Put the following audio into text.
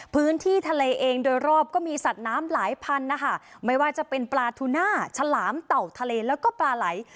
พื้นที่ทะเลเองโดยรอบก็มีสัตว์น้ำหลายพันนะคะไม่ว่าจะเป็นปลาทูน่าฉลามเต่าทะเลแล้วก็ปลาไหล